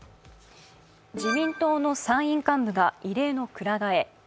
自民党の参院幹部が異例のくら替え。